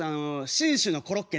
信州のコロッケ。